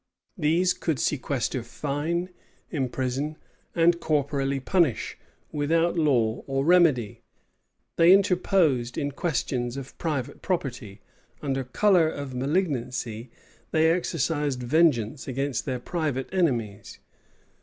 These could sequester, fine, imprison, and corporally punish, without law or remedy. They interposed in questions of private property. Under color of malignancy, they exercised vengeance against their private enemies.